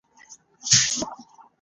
منځنۍ صفحې یې تشې دي په واک کې دي.